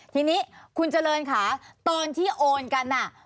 ทีนี้คุณเจริญค่ะตอนที่โอนกันน่ะ